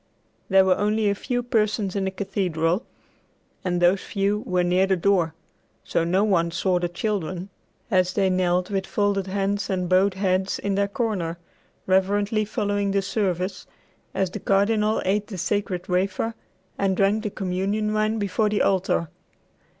There were only a few persons in the cathedral, and those few were near the door; so no one saw the children as they knelt with folded hands and bowed heads in their corner, reverently following the service as the Cardinal ate the sacred wafer and drank the communion wine before the altar.